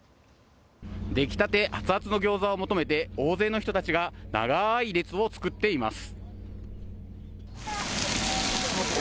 出来たて熱々のギョーザを求めて大勢の人たちが長い列を作っています。